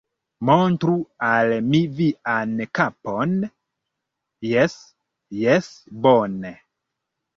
Montru al mi vian kapon. Jes, jes, bone